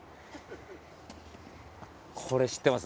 これ知ってます？